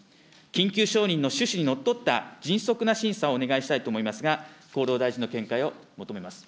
緊急承認の趣旨にのっとった迅速な審査をお願いしたいと思いますが、厚労大臣の見解を求めます。